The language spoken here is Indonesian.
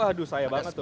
aduh saya banget tuh